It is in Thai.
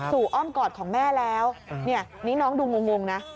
อ้อมกอดของแม่แล้วเนี่ยนี่น้องดูงงนะ